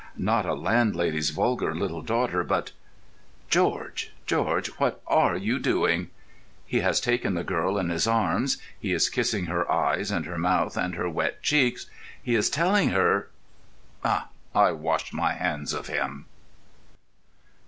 Not a landlady's vulgar little daughter, but—— George, George, what are you doing? He has taken the girl in his arms! He is kissing her eyes and her mouth and her wet cheeks! He is telling her.... I wash my hands of him.